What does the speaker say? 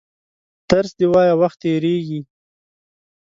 درس دي وایه وخت تېرېږي!